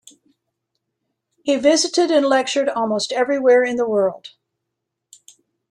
He visited and lectured almost everywhere in the world.